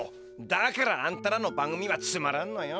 だからあんたらの番組はつまらんのよ。